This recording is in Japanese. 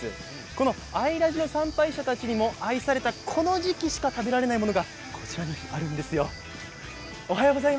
この相良寺の参拝者たちにも愛された、この時期にしか食べられないものがこちらにあるんですよ。